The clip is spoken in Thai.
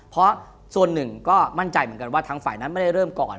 เพราะส่วนหนึ่งก็มั่นใจเหมือนกันว่าทางฝ่ายนั้นไม่ได้เริ่มก่อน